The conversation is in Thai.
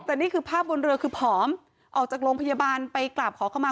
แต่นี่คือภาพบนเรือคือผอมออกจากโรงพยาบาลไปกราบขอเข้ามา